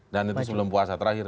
dan itu sebelum puasa terakhir